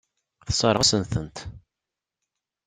Tessṛeɣ-asen-tent.